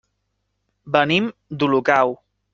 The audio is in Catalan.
Venim d'Olocau.